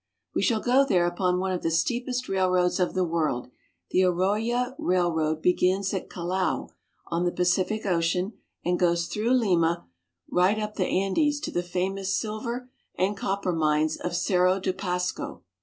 We shall go there upon one of the steepest railroads of the world. The Oroya Railroad begins at Callao, on the Pacific Ocean, and goes through Lima right up the Andes to the famous silver and copper mines of Cerro de Pasco.